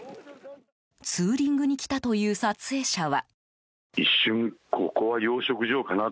ツーリングに来たという撮影者は。